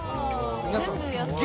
皆さん、すっげー